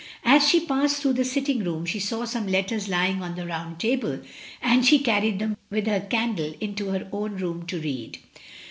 As she passed through the sitting room she saw some letters lying on the round table, and she carried them with her candle into her own room to read.